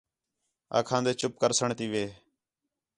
آکھان٘دے چُپ کرسݨ تی وِہ